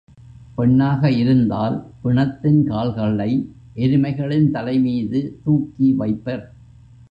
பெண்ணாக இருந்தால், பிணத்தின் கால்களை எருமைகளின் தலைமீது தூக்கி வைப்பர்.